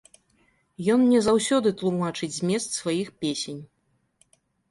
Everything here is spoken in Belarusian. Ён мне заўсёды тлумачыць змест сваіх песень.